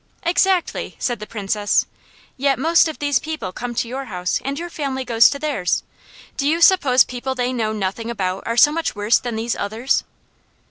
"Exactly!" said the Princess. "Yet most of these people come to your house, and your family goes to theirs. Do you suppose people they know nothing about are so much worse than these others?"